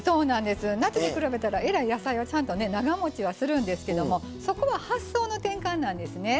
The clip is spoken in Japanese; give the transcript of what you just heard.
夏に比べたらえらい野菜はちゃんとね長もちはするんですけどもそこは発想の転換なんですね。